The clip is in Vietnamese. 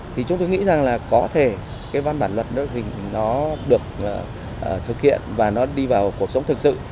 thì chúng tôi nghĩ rằng là có thể cái văn bản luật đội hình nó được thực hiện và nó đi vào cuộc sống thực sự